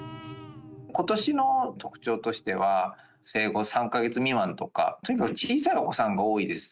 ことしの特徴としては、生後３か月未満とか、とにかく小さいお子さんが多いです。